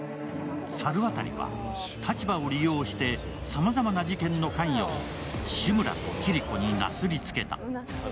猿渡は立場を利用してさまざまな事件の関与を志村とキリコになすりつけた。